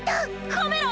カメラ！